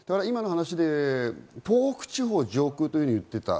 今の話で東北地方の上空と言っていました。